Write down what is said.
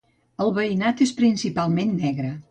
El veïnat és principalment negre.